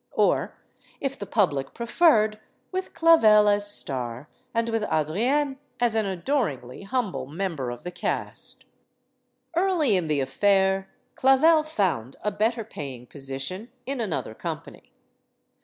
Or, if the public pre 118 STORIES OF THE SUPER WOMEN* ferred, with Clavel as star, and with Adrienne as an adoringly humble member of the cast. Early in the affair, Clavel found a better paying position in another company.